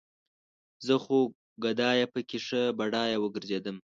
زه خو ګدايه پکې ښه بډايه وګرځېدم